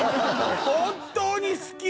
本当に好き！